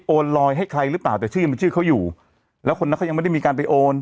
โอนลอยให้ใครหรือเปล่าแต่ชื่อยังเป็นชื่อเขาอยู่แล้วคนนั้นเขายังไม่ได้มีการไปโอน